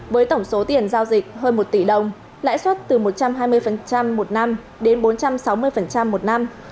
với tổng số tiền giao dịch hơn một tỷ đồng lãi suất từ một trăm hai mươi một năm đến bốn trăm sáu mươi một năm